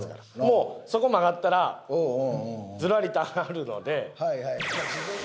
もうそこ曲がったらずらりとあるので。